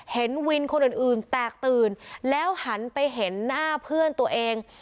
เห็นวินคนอื่นแตกตื่นแล้วหันไปเห็นหน้าเพื่อนตัวเอง